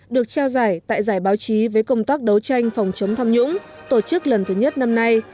được trao giải tại giải báo chí với công tác đấu tranh phòng chống tham nhũng tổ chức lần thứ nhất năm nay